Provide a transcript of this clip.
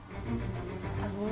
あの？